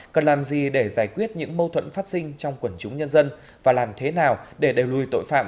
cần làm gì để giải quyết những mâu thuẫn phát sinh trong quần chúng nhân dân và làm thế nào để đẩy lùi tội phạm